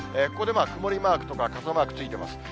ここで曇りマークとか、傘マークついてます。